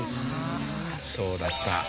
そうだった。